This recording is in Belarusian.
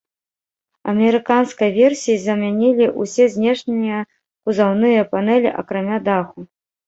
Амерыканскай версіі замянілі ўсе знешнія кузаўныя панэлі, акрамя даху.